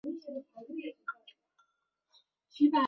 加瑙山。